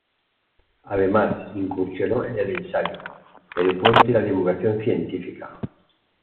Además, incursionó en el ensayo, el cuento y la divulgación científica.